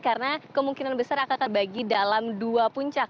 karena kemungkinan besar akan terbagi dalam dua puncak